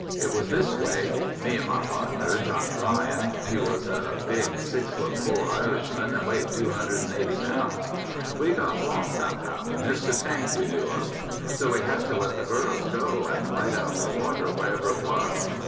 It was this way: Me and my pardner, Johnny Ryan — he was a big six foot four Irishman and weighed two hundred and eighty pounds — we got lost somehow and missed a tank we knew of. So we had to let the burros go and light out for water wherever it was.